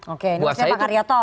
oke maksudnya pak karyato